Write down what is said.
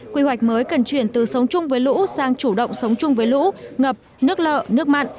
quy hoạch mới cần chuyển từ sống chung với lũ sang chủ động sống chung với lũ ngập nước lợ nước mặn